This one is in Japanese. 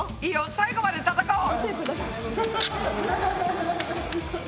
最後まで闘おう！